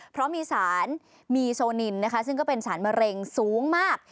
เพราะมีสารมีโซนินนะคะซึ่งก็เป็นสารมะเร็งสูงมาก